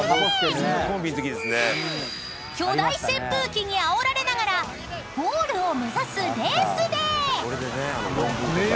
［巨大扇風機にあおられながらゴールを目指すレースで］